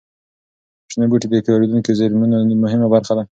شنه بوټي د تکرارېدونکو زېرمونو مهمه برخه ده.